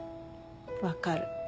分かる。